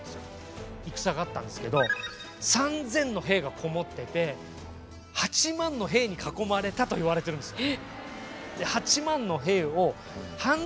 戦があったんですけど３，０００の兵が籠もってて８万の兵に囲まれたといわれてるんですよ。